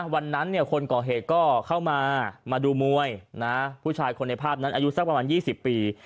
คนก่อเหตุก็เข้ามามาดูมวยผู้ชายคนในภาพนั้นอายุสักประมาณ๒๐ปี